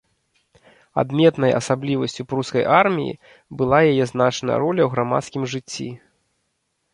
Адметнай асаблівасцю прускай арміі была яе значная роля ў грамадскім жыцці.